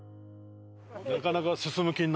なかなか進む気になれないな。